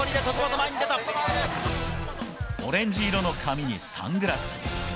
オレンジ色の髪にサングラス。